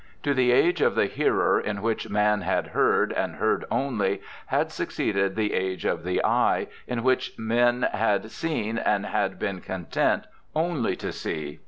To the age of the hearer, in which men had heard, and heard only, had succeeded the age of the e3''e, in which men had seen and had been 330 BIOGRAPHICAL ESSAYS content only to see.